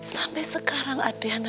sampai sekarang adriana